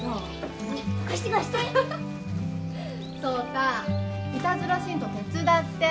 颯太いたずらしんと手伝って。